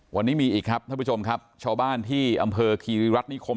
วันนี้มีอีกครับท่านผู้ชมครับชาวบ้านที่อำเภอคีริรัฐนิคม